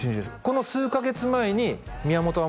この数カ月前に宮本亞